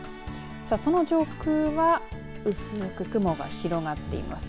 その上空は、うすく雲が広がっています。